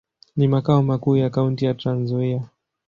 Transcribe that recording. Ni makao makuu ya kaunti ya Trans-Nzoia.